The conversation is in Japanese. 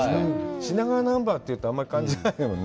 品川ナンバーというと、あんまり感じないよね。